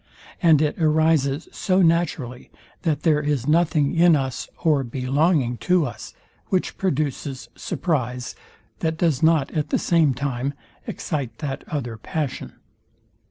And it arises so naturally, that there is nothing in us or belonging to us, which produces surprize, that does not at the same time excite that other passion.